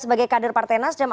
sebagai kader partai nasdem